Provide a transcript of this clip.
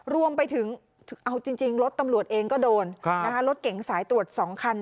รวมไปถึงเอาจริงจริงรถตำรวจเองก็โดนค่ะนะคะรถเก่งสายตรวจสองคัน